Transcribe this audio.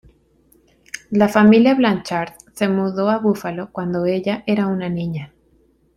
La familia Blanchard se mudó a Buffalo cuando ella era una niña.